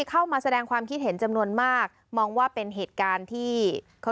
เข้ามาแสดงความคิดเห็นจำนวนมากมองว่าเป็นเหตุการณ์ที่เขา